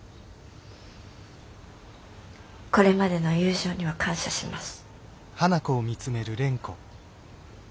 これまでの友情には感謝します。